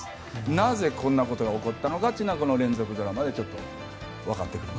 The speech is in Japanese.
なぜ、こんなことが起こったのかというのが連続ドラマでわかってくる。